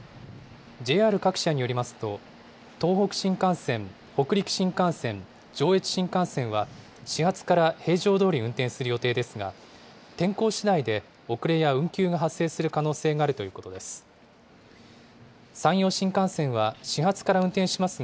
ＪＲ各社によりますと、東北新幹線、北陸新幹線、上越新幹線は、始発から平常どおり運転する予定ですが、天候しだいで遅れや運休が発生する可能性があるということです。